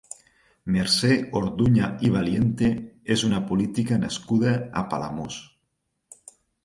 Mercè Orduña i Valiente és una política nascuda a Palamós.